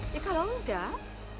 ya kalau enggak